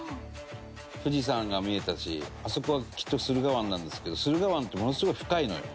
富士山が見えたしあそこはきっと駿河湾なんですけど駿河湾ってものすごい深いのよ。